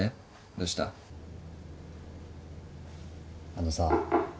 あのさ。